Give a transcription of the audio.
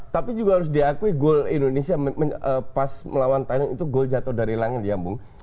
tapi juga harus diakui gol indonesia pas melawan thailand itu gol jatuh dari langit ya bung